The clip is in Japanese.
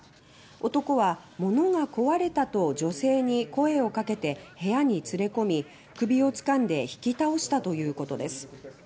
男は、物が壊れたと女性に声をかけて部屋に連れ込み首をつかんで引き倒したということです。